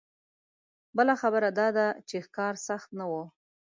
بله خبره دا ده چې ښکار سخت نه و.